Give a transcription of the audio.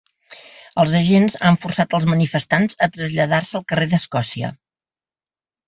Els agents han forçat els manifestants a traslladar-se al carrer d’Escòcia.